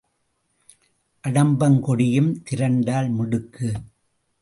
அடம்பங்கொடியும் திரண்டால் மிடுக்கு.